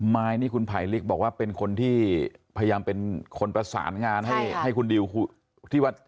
ไม้นี่คุณไผลลิกบอกว่าเป็นคนที่พยายามเป็นคนประสานงานให้คุณดิวที่ว่า